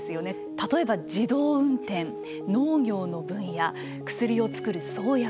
例えば自動運転、農業の分野薬を作る創薬